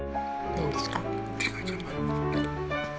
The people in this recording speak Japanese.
何ですか？